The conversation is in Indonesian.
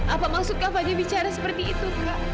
apa maksudkah fadil bicara seperti itu